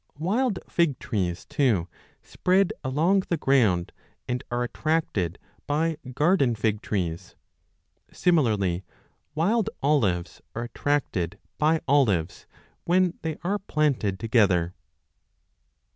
Wild fig trees, too, spread along the ground and are attracted by garden fig trees ; similarly wild olives are attracted by olives, when they 25 are planted together.